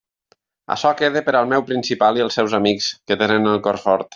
Açò queda per al meu principal i els seus amics, que tenen el cor fort.